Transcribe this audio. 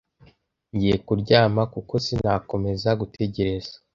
ngiye kuryama kuko sinakomeza gutegereza